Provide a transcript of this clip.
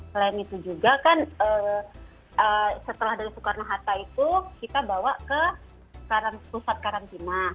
selain itu juga kan setelah dari soekarno hatta itu kita bawa ke pusat karantina